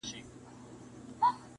• په انګلستان کي یو شهزاده دی -